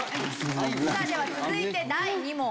では続いて第２問。